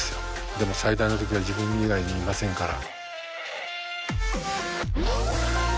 でも最大の敵は自分以外にいませんから。